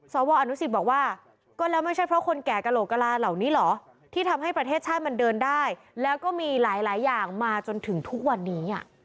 อนุสิตบอกว่าก็แล้วไม่ใช่เพราะคนแก่กระโหลกกระลาเหล่านี้เหรอที่ทำให้ประเทศชาติมันเดินได้แล้วก็มีหลายอย่างมาจนถึงทุกวันนี้